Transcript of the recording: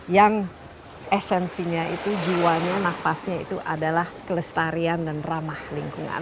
dan esensinya itu jiwanya nafasnya itu adalah kelestarian dan ramah lingkungan